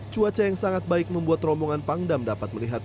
cuaca yang sangat baik membuat rombongan pangdam dapat melihat